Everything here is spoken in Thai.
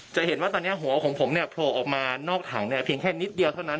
จะเห็นว่าตอนนี้หัวของผมเนี่ยโผล่ออกมานอกถังเนี่ยเพียงแค่นิดเดียวเท่านั้น